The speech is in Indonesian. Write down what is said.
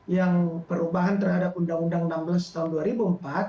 yang perubahan terhadap undang undang enam belas tahun dua ribu empat